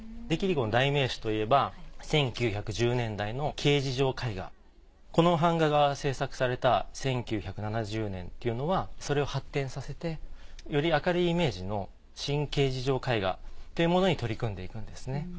デ・キリコの代名詞といえば１９１０年代のこの版画が制作された１９７０年っていうのはそれを発展させてより明るいイメージの新形而上絵画っていうものに取り組んでいくんですね。